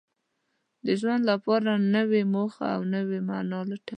د ژوند لپاره نوې موخه او نوې مانا لټوي.